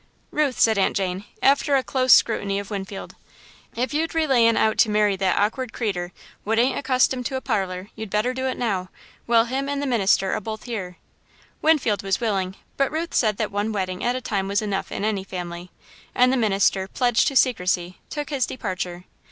"Ruth," said Aunt Jane, after a close scrutiny of Winfield, "if you' relayin' out to marry that awkward creeter, what ain't accustomed to a parlour, you'd better do it now, while him and the minister are both here." Winfield was willing, but Ruth said that one wedding at a time was enough in any family, and the minister, pledged to secrecy, took his departure.